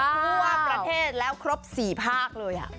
ทั่วประเทศแล้วครบ๔ภาคเลย